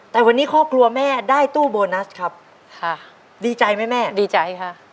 แต่วันนี้ครอบครัวแม่ได้ตู้โบนัสครับค่ะดีใจไหมแม่ดีใจค่ะ